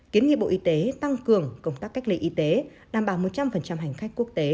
kiến nghị bộ y tế tăng cường công tác cách ly y tế đảm bảo một trăm linh hành khách quốc tế